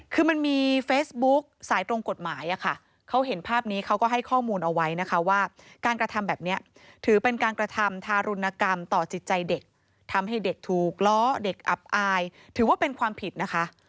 คือมันมีเฟซบุ๊คสายตรงกฎหมายอะค่ะเขาเห็นภาพนี้เขาก็ให้ข้อมูลเอาไว้นะคะว่าการกระทำแบบนี้ถือเป็นการกระทำทารุณกรรมต่อจิตใจเด็กทำให้เด็กถูกล้อเด็กอับอายถือว่าเป็นความผิดนะคะ